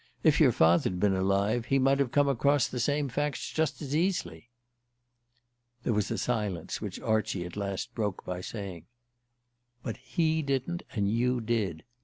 If your father'd been alive he might have come across the same facts just as easily." There was a silence which Archie at last broke by saying: "But he didn't, and you did.